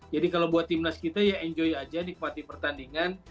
jadi kalau buat timnas kita ya enjoy aja nikmati pertandingan